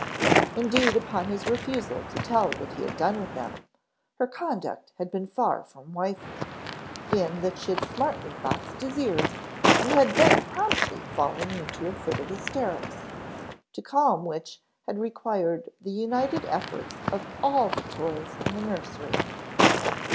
Indeed, upon his refusal to tell what he had done with them, her conduct had been far from wifely, in that she smartly boxed his ears and had then promptly fallen into a fit of hysterics, to calm which had required the united efforts of all the toys in the nursery.